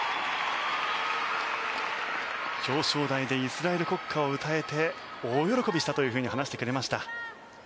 表彰台でイスラエル国歌を歌えて大喜びしたと話してくれました。